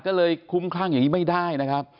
ก็เลยคุ้มคลั่งอย่างนี้ไม่ได้นะครับ